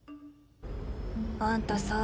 あんたさ